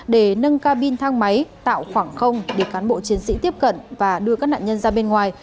để nâng ca bin thang máy tạo khoảng không để cán bộ chiến sĩ tiếp cận và đưa các nạn nhân ra bên ngoài